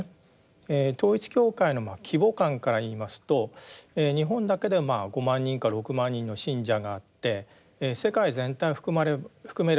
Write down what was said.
統一教会の規模感から言いますと日本だけで５万人か６万人の信者があって世界全体を含めればですね